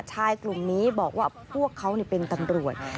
ชายกลุ่มนี้บอกว่าพวกเขาเป็นตำรวจ